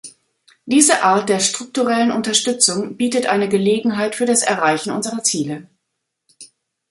Diese Art der strukturellen Unterstützung bietet eine Gelegenheit für das Erreichen unserer Ziele.